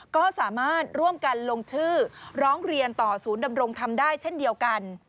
ก็สามารถร่วมกันลงชื่อร้องเรียนต่อศูนย์ดำรงธรรมได้เช่นเดียวกัน